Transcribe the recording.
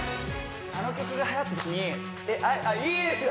あの曲がはやったときにあっいいですよ